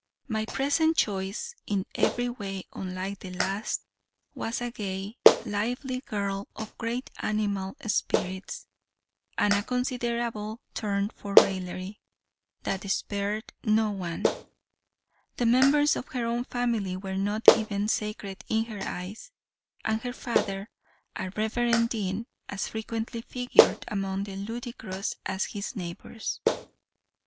My present choice, in every way unlike the last, was a gay, lively girl, of great animal spirits, and a considerable turn for raillery, that spared no one; the members of her own family were not even sacred in her eyes; and her father, a reverend dean, as frequently figured among the ludicrous as his neighbors.